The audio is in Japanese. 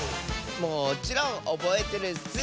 もちろんおぼえてるッス！